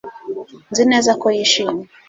nzi neza ko yishimye